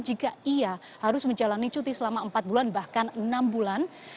jika ia harus menjalani cuti selama empat bulan bahkan enam bulan